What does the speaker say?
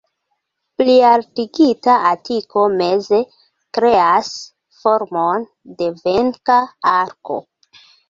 Plialtigita atiko meze kreas formon de venka arko.